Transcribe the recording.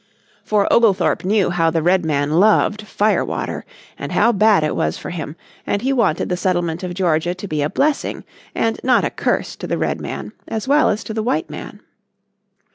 For Oglethorpe knew how the Redman loved "fire water" and how bad it was for him, and he wanted the settlement of Georgia to be a blessing and not a curse to the Redman, as well as to the white man.